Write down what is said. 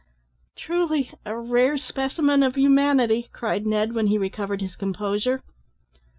"Truly, a rare specimen of humanity," cried Ned, when he recovered his composure.